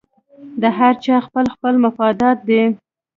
د هر چا خپل خپل مفادات دي